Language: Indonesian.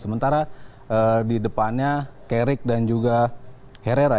sementara di depannya carrick dan juga herrera